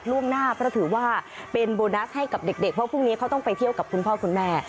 ล่วงหน้าเพราะถือว่าเป็นโบนัสให้กับเด็กเพราะพรุ่งนี้เขาต้องไปเที่ยวกับคุณพ่อคุณแม่